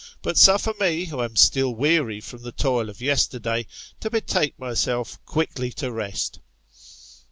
But suffer me, who am still weary from the toil of yesterday, to betake myself quickly to rest.